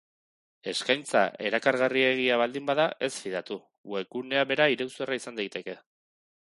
Eskaintza erakargarriegia baldin bada, ez fidatu, webgunea bera iruzurra izan daiteke.